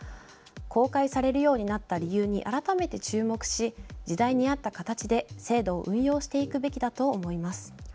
公開されるようになった理由に改めて注目し、時代に合った形で制度を運用していくべきだと思います。